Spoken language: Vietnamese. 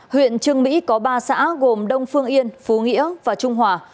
huyện trương mỹ có ba xã gồm đông phương yên phú nghĩa và trung hòa